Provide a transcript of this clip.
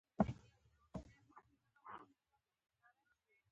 قرباني په هغه چا فرض ده چې مالي وس یې ولري.